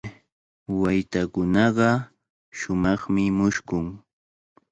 Waytakunaqa shumaqmi mushkun.